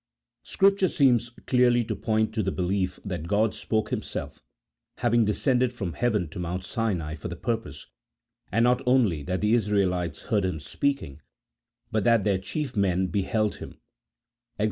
Scripture seems clearly to point to the belief that God spoke Himself, having descended from heaven to Mount Sinai for the purpose — and not only that the Israelites heard Him speaking, but that their chief men beheld Him (Ex.